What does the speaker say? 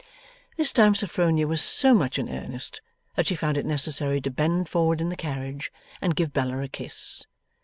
This time Sophronia was so much in earnest that she found it necessary to bend forward in the carriage and give Bella a kiss.